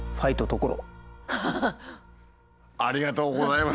高見沢様ありがとうございます。